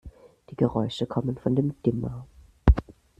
Die Geräusche kommen von dem Dimmer.